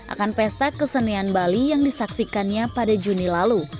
akan pesta kesenian bali yang disaksikannya pada juni lalu